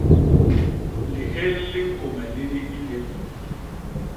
Lihél li ñkôme lini i lép.